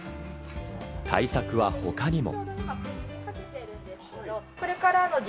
対策は他にも。